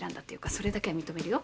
それだけは認めるよ。